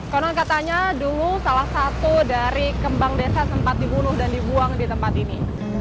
konon katanya dulu salah satu dari kembang desa sempat dibunuh dan dibuang di tempat ini